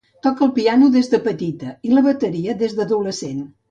Toca el piano des de petita i la bateria des d'adolescent.